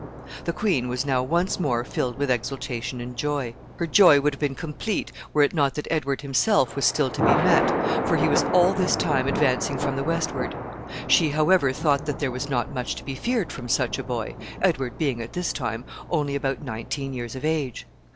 The queen was now once more filled with exultation and joy. Her joy would have been complete were it not that Edward himself was still to be met, for he was all this time advancing from the westward; she, however, thought that there was not much to be feared from such a boy, Edward being at this time only about nineteen years of age.